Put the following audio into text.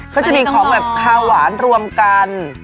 เขาจะมีของแบบคาวหวานรวมกัน